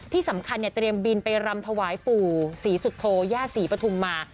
ที่สำคัญเนี่ยเตรียมบินไปรำถวายปู่ศรีสุโธย่าศรีปฐุมมา